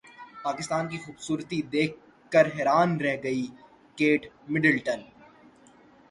پاکستان کی خوبصورتی دیکھ کر حیران رہ گئی کیٹ مڈلٹن